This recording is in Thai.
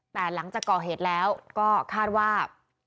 แต่หลังจากก่อเหตุแล้วก็คาดว่า